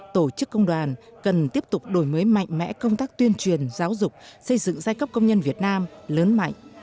tổ chức công đoàn cần tiếp tục đổi mới mạnh mẽ công tác tuyên truyền giáo dục xây dựng giai cấp công nhân việt nam lớn mạnh